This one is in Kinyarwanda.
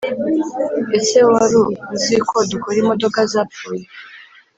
Ese waru uziko dukora imodoka zapfuye